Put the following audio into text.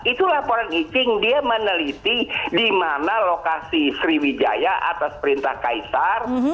itu laporan icing dia meneliti di mana lokasi sriwijaya atas perintah kaisar